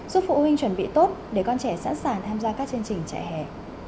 giúp phụ huynh chuẩn bị tốt để con trẻ sẵn sàng tham gia các chương trình trại hè